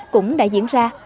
cũng đã diễn ra